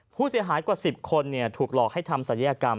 ผู้เสียหายกว่า๑๐คนถูกหลอกให้ทำศัลยกรรม